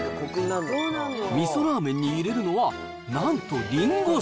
みそラーメンに入れるのは、なんと、リンゴ酢。